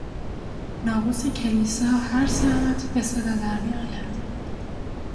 ناقوس کلیسا هر ساعت به صدا درمیآید.